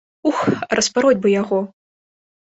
Ух, распароць бы яго!